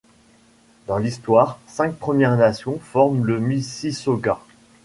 Dans l’histoire, cinq Premières Nations forment les Mississaugas.